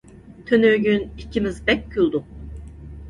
تۈنۈگۈن ئىككىمىز بەك كۈلدۇق.